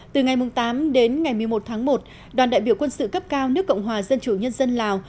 từ ngày tám đến ngày một mươi một tháng một đoàn đại biểu quân sự cấp cao nước cộng hòa dân chủ nhân dân lào